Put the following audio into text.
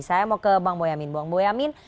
saya mau ke bang boyamin